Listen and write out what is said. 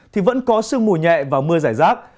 thì vẫn có sương mù nhẹ và mưa rải rác